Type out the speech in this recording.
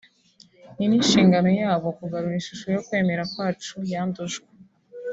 ni n’inshingano yabo kugarura ishusho yo kwemera kwacu yandujwe